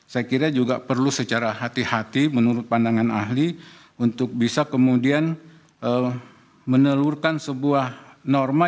saya kira juga perlu secara hati hati menurut pandangan ahli untuk bisa kemudian menelurkan sebuah norma